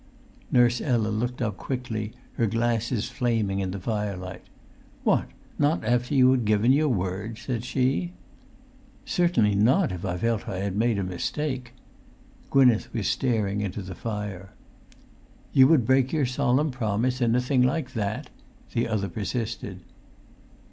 Nurse Ella looked up quickly, her glasses flaming in the firelight. "What, not after you had given your word?" said she. "Certainly not, if I felt I had made a mistake." Gwynneth was staring into the fire. "You would break your solemn promise in a thing like that?" the other persisted.